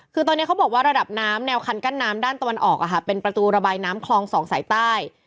คือตอนนี้เขาบอกว่าระดับน้ำแนวคันกั้นน้ำด้านตะวันออกเป็นประตูระบายน้ำคลองสองสายใต้